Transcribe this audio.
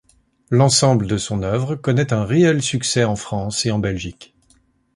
L'ensemble de son œuvre connaît un réel succès en France et en Belgique.